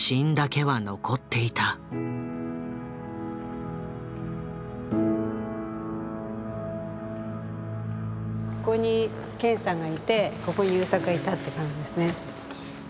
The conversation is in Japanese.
ここに健さんがいてここに優作がいたって感じですね。